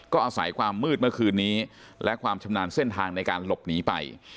ก็อาศัยความมืดเมื่อคืนนี้และความชำนาญเส้นทางในการหลบหนีไป